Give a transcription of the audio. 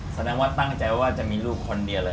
แสดงว่าตั้งใจว่าจะมีลูกคนเดียวเลย